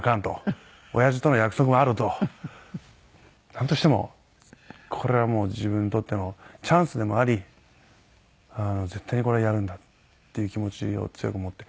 なんとしてもこれはもう自分にとってのチャンスでもあり絶対にこれをやるんだっていう気持ちを強く持って。